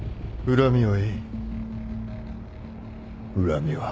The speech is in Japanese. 恨みは。